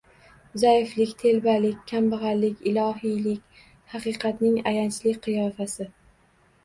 Zaiflik, telbalik, kambag’allik, ilohiylik, haqiqatning ayanchli qiyofasi.